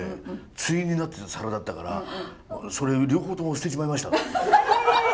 対になってる皿だったからそれ両方とも捨てちまいました。